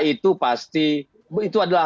itu pasti itu adalah